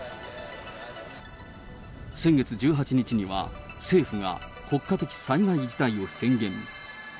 先月１８日には、政府が国家的災害事態を宣言。